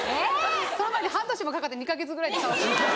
その前に半年もかかってない２か月ぐらいで「さおりん」。